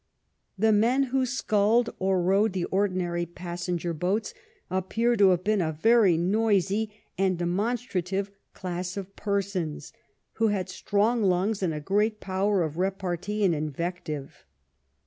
The men who sculled or rowed the ordinary pas senger boats appear to have been a very noisy and demonstrative class of persons, who had strong lungs and a great power of repartee and invective.